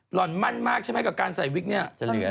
ห่อนมั่นมากใช่ไหมกับการใส่วิกเนี่ยจะเหลือ